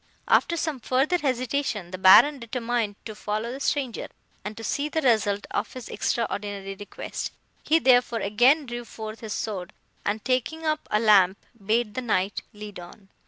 "After some further hesitation, the Baron determined to follow the stranger, and to see the result of his extraordinary request; he, therefore, again drew forth his sword, and, taking up a lamp, bade the Knight lead on.